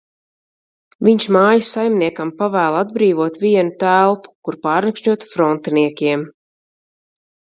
Viņš mājas saimniekam pavēl atbrīvot vienu telpu, kur pārnakšņot frontiniekiem.